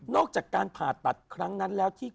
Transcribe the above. จากการผ่าตัดครั้งนั้นแล้วที่